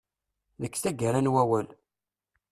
Deg taggara n wawal.